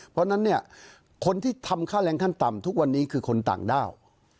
เพราะฉะนั้นเนี่ยคนที่ทำค่าแรงขั้นต่ำทุกวันนี้คือคนต่างด้าว